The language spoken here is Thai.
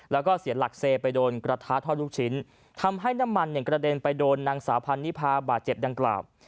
แล้วก็เสียหลักเซไปโดนกระทะทอดลูกชิ้นทำให้น้ำมันเนี่ยกระเด็นไปโดนนางสาวพันนิพาบาดเจ็บดังกล่าว